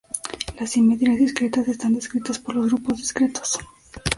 Las simetrías discretas están descritas por los Grupos Discretos.